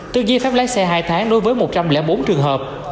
tương nhiên phép lái xe hai tháng đối với một trăm linh bốn trường hợp